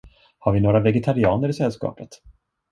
Har vi några vegetarianer i sällskapet?